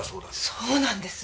そうなんです。